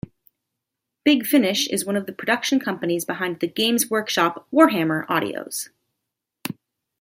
Big Finish is one of the production companies behind the Games Workshop "Warhammer" audios.